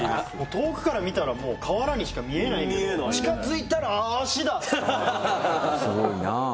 遠くから見たらもう瓦にしか見えないけど近づいたらああ足だ